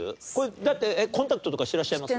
だってコンタクトとかしてらっしゃいます？